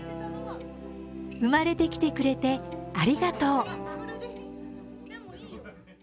生まれてきてくれてありがとう。